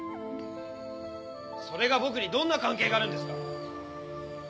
それが僕にどんな関係があるんですか！